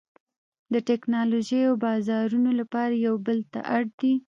د ټکنالوژۍ او بازارونو لپاره یو بل ته اړ دي